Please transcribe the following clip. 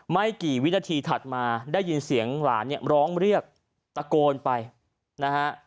ไม่กี่วินาทีถัดมาได้ยินเสียงหลานเนี่ยร้องเรียกตะโกนไปนะฮะ